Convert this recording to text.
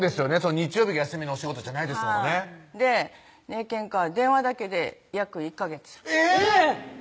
日曜日が休みのお仕事じゃないですものねで電話だけで約１ヵ月えぇっ！